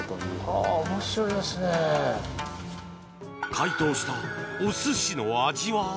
解凍したお寿司の味は。